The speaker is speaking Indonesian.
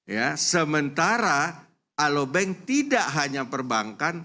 ya sementara alo bank tidak hanya perbankan